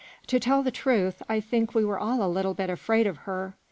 To tell the truth, I think we were all a little bit afraid of her.